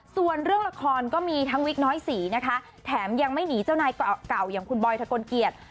ส่วนเรื่องละครก็มีทั้งวิกน้อยสีนะคะแถมยังไม่หนีเจ้านายเก่าอย่างคุณบอยทะกลเกียจ